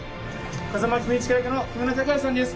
風間公親役の木村拓哉さんです。